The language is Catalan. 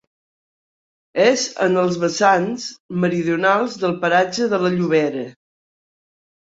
És en els vessants meridionals del paratge de la Llobera.